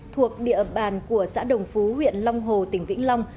thuộc địa bàn của xã đồng phú huyện long hồ tỉnh vĩnh long